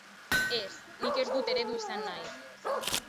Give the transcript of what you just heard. Ez, nik ez dut eredu izan nahi.